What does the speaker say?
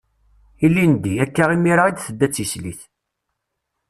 Ilindi, akka imir-a i d-tedda d tislit.